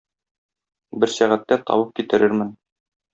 Бер сәгатьтә табып китерермен.